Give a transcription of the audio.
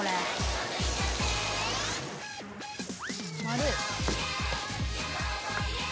丸い。